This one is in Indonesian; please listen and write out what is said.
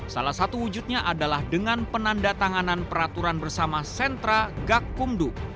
salah satu wujudnya adalah dengan penanda tanganan peraturan bersama sentra gakumdu